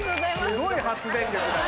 すごい発電力だな。